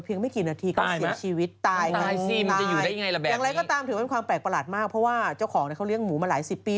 ลิ้มว่ามันความแปลกประหลาดมากเพราะว่าเจ้าของเขาเลี่ยงหมูมาหลายสิบปี